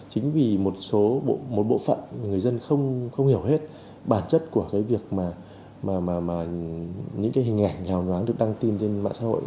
chính vì một số bộ phận người dân không hiểu hết bản chất của cái việc mà những cái hình ảnh nhào nháng được đăng tin trên mạng xã hội